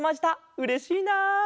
うれしいな！